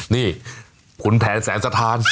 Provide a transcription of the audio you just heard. นี่ขุนแผนแสนสถาน